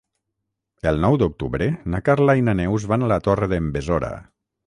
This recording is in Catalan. El nou d'octubre na Carla i na Neus van a la Torre d'en Besora.